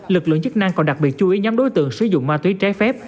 lực lượng chức năng còn đặc biệt chú ý nhóm đối tượng sử dụng ma túy trái phép